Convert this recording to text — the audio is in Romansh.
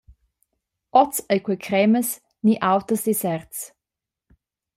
Oz ei quei cremas ni auters desserts.